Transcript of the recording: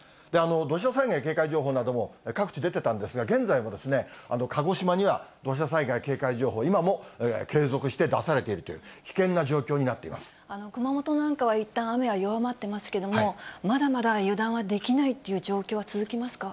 土砂災害警戒情報なども各地出てたんですが、現在も鹿児島には土砂災害警戒情報、今も継続して出されていると熊本なんかはいったん、雨は弱まってますけれども、まだまだ油断はできないという状況は続きますか？